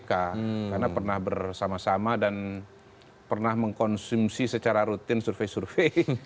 karena pernah bersama sama dan pernah mengkonsumsi secara rutin survei survei